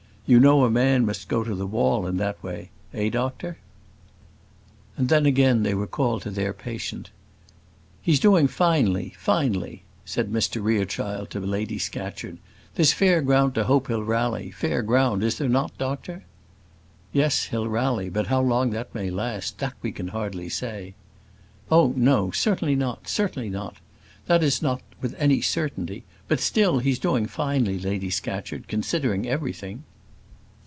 You know a man must go to the wall in that way eh, doctor?" And then again they were called to their patient. "He's doing finely, finely," said Mr Rerechild to Lady Scatcherd. "There's fair ground to hope he'll rally; fair ground, is there not, doctor?" "Yes; he'll rally; but how long that may last, that we can hardly say." "Oh, no, certainly not, certainly not that is not with any certainty; but still he's doing finely, Lady Scatcherd, considering everything."